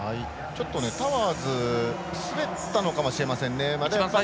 タワーズ滑ったのかもしれませんね。